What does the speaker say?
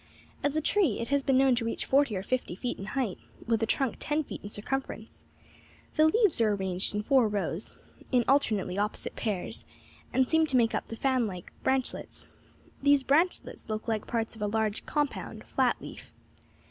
As a tree it has been known to reach forty or fifty feet in height, with a trunk ten feet in circumference. The leaves are arranged in four rows, in alternately opposite pairs, and seem to make up the fan like branchlets. These branchlets look like parts of a large compound, flat leaf.